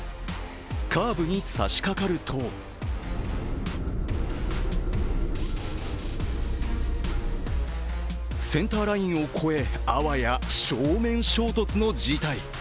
カーブに差しかかるとセンターラインを越えあわや正面衝突の事態。